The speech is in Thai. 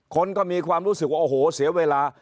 คนก็มีความรู้สึกว่าโอ้โหเสียเวลา